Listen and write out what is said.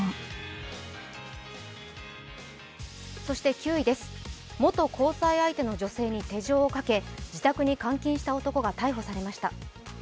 そして９位です、元交際相手の女性に手錠をかけ自宅に監禁した男が逮捕されました。